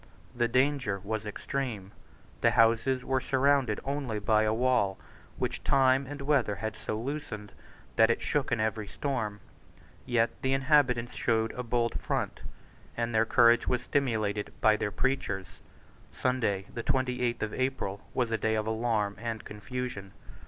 The danger was extreme. The houses were surrounded only by a wall which time and weather had so loosened that it shook in every storm. Yet the inhabitants showed a bold front; and their courage was stimulated by their preachers. Sunday the twenty eighth of April was a day of alarm and confusion.